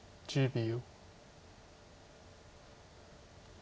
１０秒。